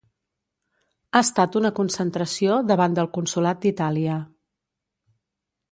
Ha estat una concentració davant del consolat d’Itàlia.